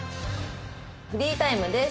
「フリータイムです。